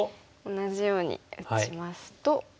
同じように打ちますと。